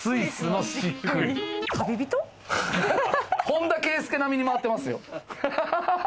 本田圭佑並みに回ってますよ。ハハハ！